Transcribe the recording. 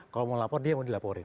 kalau mau lapor dia mau dilaporin